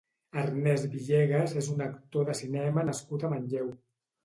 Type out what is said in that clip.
Ernest Villegas és un actor de cinema nascut a Manlleu.